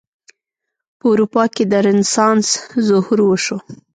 په اروپا کې د رنسانس ظهور وشو.